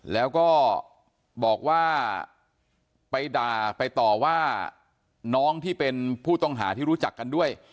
แล้วก็บอกว่าไปด่าไปต่อว่าน้องที่เป็นผู้ต้องหาที่รู้จักกันด้วย